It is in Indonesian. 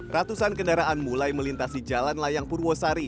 ratusan kendaraan mulai melintasi jalan layang purwosari